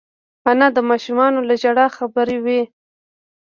انا د ماشومانو له ژړا خبروي